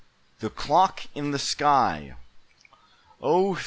THE CLOCK IN THE SKY. "OH!